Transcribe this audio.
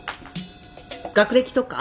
学歴とか。